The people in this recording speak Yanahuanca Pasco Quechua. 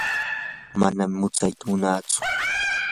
manam mutsyata munaatsu.